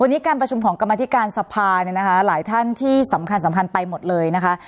วันนี้การประชุมของกรรมธิการสภาเนี่ยนะคะหลายท่านที่สำคัญสำคัญไปหมดเลยนะคะ